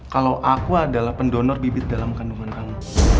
kalau aku adalah pendonor bibit dalam kandungan kamu